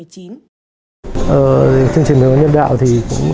chương trình hiến máu giọt máu hồng